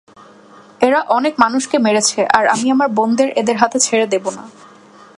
এরা অনেক মানুষকে মেরেছে, আর আমি আমার বোনকে এদের হাতে ছেড়ে দেব না।